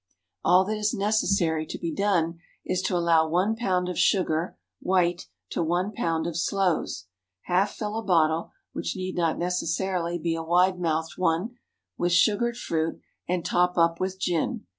All that is necessary to be done is to allow 1 lb. of sugar (white) to 1 lb. of sloes. Half fill a bottle which need not necessarily be a wide mouthed one with sugared fruit, and "top up" with gin.